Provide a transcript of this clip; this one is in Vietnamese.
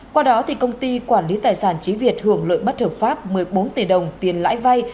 qua đó công ty quản lý tài sản trí việt hưởng lợi bất hợp pháp một mươi bốn tỷ đồng tiền lãi vay